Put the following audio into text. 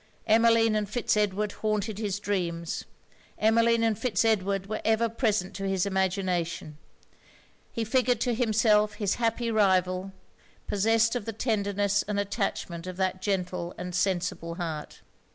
Emmeline and Fitz Edward haunted his dreams; Emmeline and Fitz Edward were ever present to his imagination; he figured to himself his happy rival possessed of the tenderness and attachment of that gentle and sensible heart.